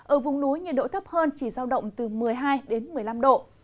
ở vùng núi nhiệt độ thấp hơn chỉ giao động từ một mươi hai đến một mươi năm độ